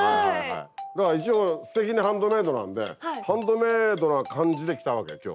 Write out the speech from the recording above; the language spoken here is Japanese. だから一応「すてきにハンドメイド」なんでハンドメイドな感じで来たわけ今日。